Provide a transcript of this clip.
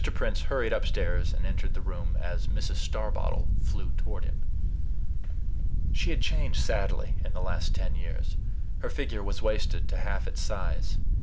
Prince hurried upstairs, and entered the room as Mrs. Starbottle flew toward him. She had changed sadly in the last ten years. Her figure was wasted to half its size.